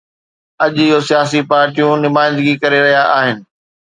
اڄ اهو سياسي پارٽيون نمائندگي ڪري رهيا آهن